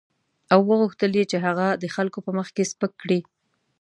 او وغوښتل یې چې هغه د خلکو په مخ کې سپک کړي.